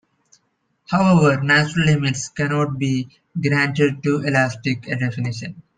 However, "natural limits" cannot be granted too elastic a definition.